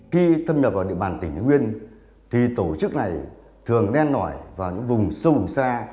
khi thâm nhập vào địa bàn tỉnh nguyên thì tổ chức này thường đen nổi vào những vùng sâu xa